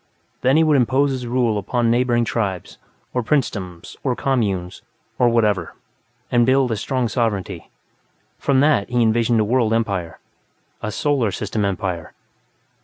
Then he would impose his rule upon neighboring tribes, or princedoms, or communes, or whatever, and build a strong sovereignty; from that he envisioned a world empire, a Solar System empire.